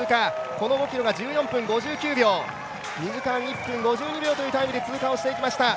この５ｋｍが１４分５９秒、２時間１分５９秒というタイムで通過しました。